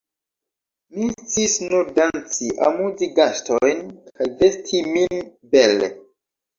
Mi sciis nur danci, amuzi gastojn kaj vesti min bele.